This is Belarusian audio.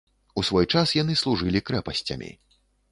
У свой час яны служылі крэпасцямі.